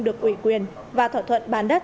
được ủy quyền và thỏa thuận bán đất